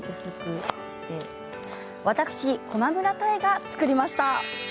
私、駒村多恵が作りました。